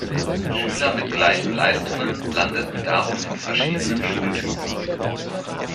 Schüler mit gleichen Leistungen landeten darum in verschiedenen Schultypen.